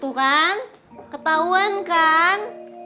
tuh kan ketauan kan